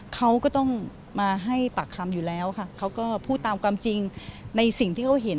เขาก็ต้องมาให้ปากคำอยู่แล้วค่ะเขาก็พูดตามความจริงในสิ่งที่เขาเห็น